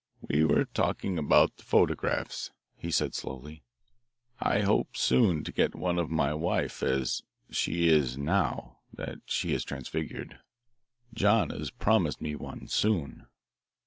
"We were talking about the photographs," he said slowly. "I hope soon to get one of my wife as she is now that she is transfigured. John has promised me one soon."